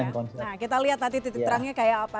nah kita lihat nanti titik terangnya kayak apa